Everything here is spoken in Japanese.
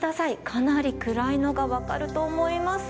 かなり暗いのが分かると思います。